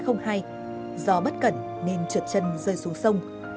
trên tàu vp một nghìn chín trăm linh hai do bất cẩn nên trượt chân rơi xuống sông